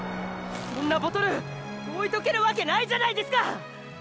そんなボトル置いとけるわけないじゃないですか！